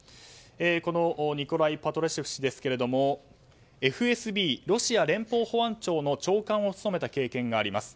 このニコライ・パトルシェフ氏ですけれどもＦＳＢ・ロシア連邦保安庁の長官を務めた経験があります。